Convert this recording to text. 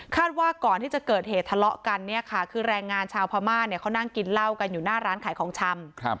ว่าก่อนที่จะเกิดเหตุทะเลาะกันเนี่ยค่ะคือแรงงานชาวพม่าเนี่ยเขานั่งกินเหล้ากันอยู่หน้าร้านขายของชำ